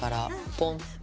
ポン！